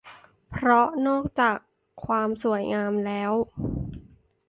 เพราะนอกจากความสวยงามแล้ว